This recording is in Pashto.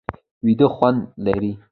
ویده خوند لري